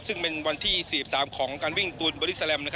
ซึ่งเป็นวันที่๔๓ของการวิ่งตูนบอดี้แลม